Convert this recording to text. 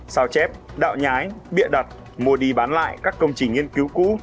sao chép đạo nhái bịa đặt mua đi bán lại các công trình nghiên cứu cũ